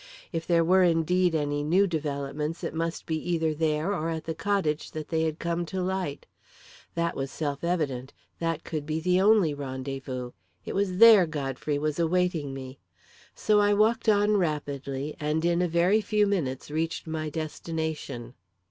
If there were indeed any new developments, it must be either there or at the cottage that they had come to light. That was self evident; that could be the only rendezvous; it was there Godfrey was awaiting me. So I walked on rapidly, and in a very few minutes reached my destination.